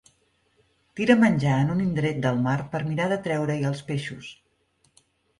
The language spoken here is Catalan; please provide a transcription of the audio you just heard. Tira menjar en un indret del mar per mirar d'atreure-hi els peixos.